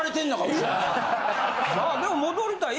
まあでも戻りたい。